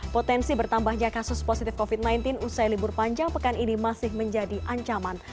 potensi bertambahnya kasus positif covid sembilan belas usai libur panjang pekan ini masih menjadi ancaman